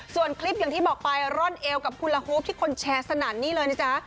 ส่วนคลิปอย่างที่บอกไปร่อนเอวกับคุณละฮูปที่คนแชร์สนั่นนี่เลยนะจ๊ะ